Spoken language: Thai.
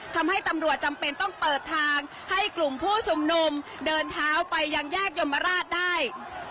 ทำให้ตำรวจจำเป็นต้องเปิดทางให้กลุ่มผู้ชุมนุมเดินเท้าไปยังแยกยมราชได้